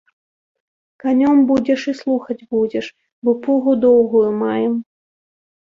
Канём будзеш і слухаць будзеш, бо пугу доўгую маем!